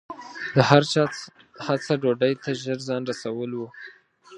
د هر چا هڅه ډوډۍ ته ژر ځان رسول و.